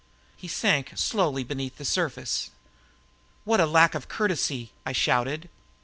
He sank slowly beneath the surface. "What lack of courtesy!" I shouted.